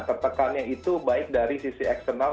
tertekannya itu baik dari sisi eksternal